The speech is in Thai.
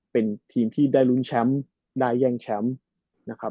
เป็นทีมที่ได้รุ่นแชมป์ได้แยงแชมป์